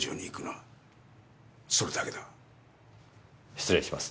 失礼します。